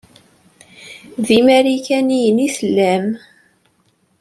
D imarikaniyen i tellam.